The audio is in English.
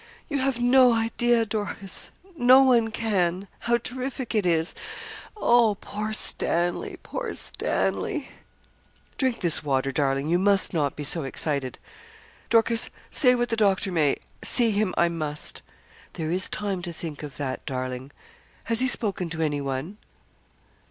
'You have no idea, Dorcas no one can how terrific it is. Oh, poor Stanley poor Stanley.' 'Drink this water, darling; you must not be so excited.' 'Dorcas, say what the doctor may, see him I must.' 'There is time to think of that, darling.' 'Has he spoken to anyone?'